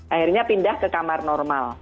akhirnya pindah ke kamar normal